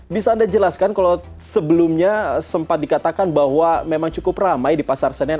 bisa anda jelaskan kalau sebelumnya sempat dikatakan bahwa memang cukup ramai di pasar senen